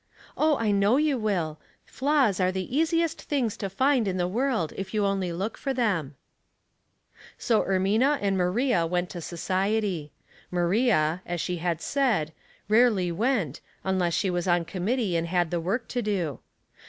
" Oh, I know you will. Flaws are the easiest things to find in the world, if you only look for iheni." So Ermina and Maria went to society. Maria, as she had said, rarely went, unless she was on committee and had the work to do.